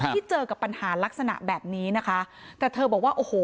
ที่เจอกับปัญหาลักษณะแบบนี้นะคะแต่เธอบอกว่าโอ้โห